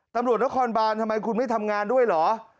ตำรวจนครบานทำไมคุณไม่ทำงานด้วยเหรอ